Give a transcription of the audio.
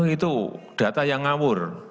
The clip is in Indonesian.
itu data yang ngawur